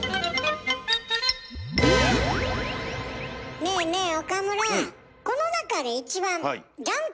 ねえねえ岡村。